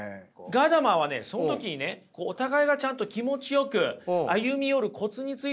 ガダマーはねその時にねお互いがちゃんと気持ちよく歩み寄るコツについても触れてます。